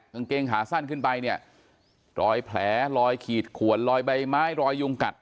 กางเกงขาสั้นขึ้นไปเนี่ยรอยแผลรอยขีดขวนลอยใบไม้รอยยุงกัด